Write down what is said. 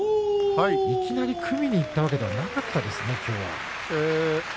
いきなり組みにいったわけではなかったですね、きょうは。